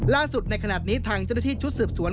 ในขณะนี้ทางเจ้าหน้าที่ชุดสืบสวน